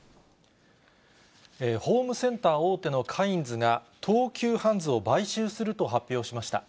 ホームセンター大手のカインズが、東急ハンズを買収すると発表しました。